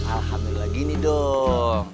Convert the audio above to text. alhamdulillah gini dong